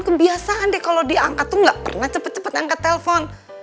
kebiasaan deh kalau diangkat tuh nggak pernah cepet cepet angkat telpon